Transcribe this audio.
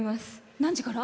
何時から？